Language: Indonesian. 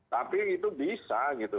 tapi itu bisa gitu